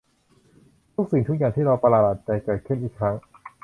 ทุกสิ่งทุกอย่างที่เราประหลาดใจ เกิดขึ้นอีกครั้ง